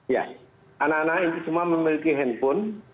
ya anak anak ini semua memiliki handphone